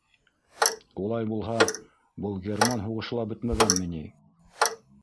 — Улай булһа, был герман һуғышы ла бөтмәгәнме ни?